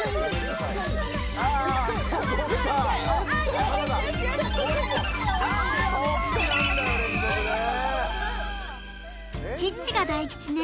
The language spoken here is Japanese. よーいチッチが大吉ね